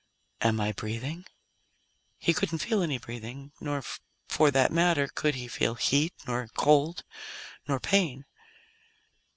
"Am I breathing?" He couldn't feel any breathing. Nor, for that matter, could he feel heat, nor cold, nor pain.